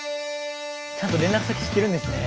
ちゃんと連絡先知ってるんですね。